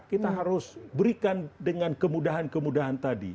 kita harus berikan dengan kemudahan kemudahan tadi